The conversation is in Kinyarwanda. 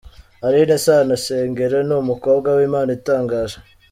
Aline Sano Shengero ni umukobwa w’impano itangaje.